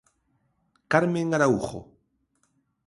Carmen Araújo.